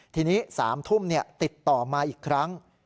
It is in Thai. ทีนี้๓ทุ่มติดต่อมาอีกครั้ง